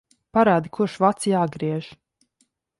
Parādi, kurš vads jāgriež.